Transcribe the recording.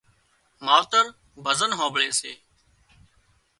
ماوتر ڀزن هانمڀۯي سي